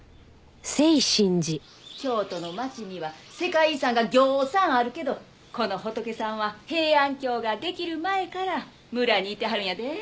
京都の街には世界遺産がぎょうさんあるけどこの仏さんは平安京ができる前から村にいてはるんやで。